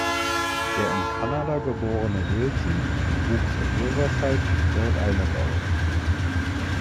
Der in Kanada geborene Wilson wuchs in Riverside, Rhode Island auf.